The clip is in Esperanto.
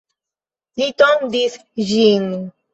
Li tondis ĝin.